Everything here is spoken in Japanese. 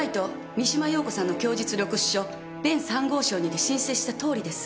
三島陽子さんの供述録取書「弁３号証」にて申請したとおりです。